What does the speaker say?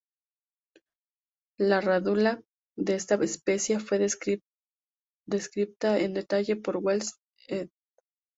La rádula de esta especie fue descripta en detalle por Wells et al.